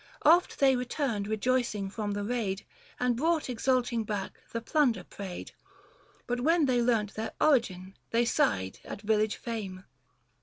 Oft they returned rejoicing from the raid, And brought exulting back the plunder preyed ; 70 But when they learnt their origin, they sighed At village fame.